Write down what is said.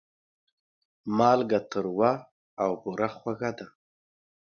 مالګه تروه او بوره خوږه ده.